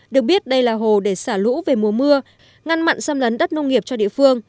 được biết đây là hồ để xả lũ về mùa mưa ngăn mặn xâm lấn đất nông nghiệp cho địa phương